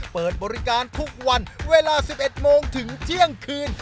เปิดบริการทุกวันเวลา๑๑โมงถึงเที่ยงคืน